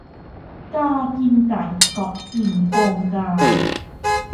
กากินไก่เกาะกิ่งโกงกาง